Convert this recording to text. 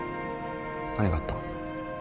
何があった？